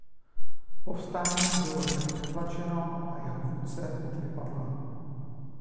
Povstání bylo rychle potlačeno a jeho vůdce v bitvě padl.